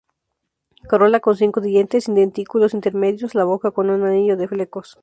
Corola con cinco dientes, sin dentículos intermedios; la boca con un anillo de flecos.